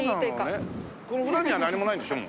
この裏には何もないんでしょ？